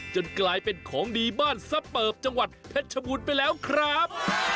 กลายเป็นของดีบ้านซับเปิบจังหวัดเพชรชบูรณ์ไปแล้วครับ